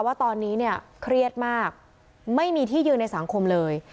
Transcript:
ว่าตอนนี้เนี่ยเครียดมากไม่มีที่ยืนในสังคมเลย